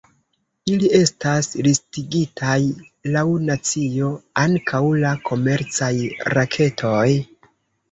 Ili estas listigitaj laŭ nacio, ankaŭ la komercaj raketoj.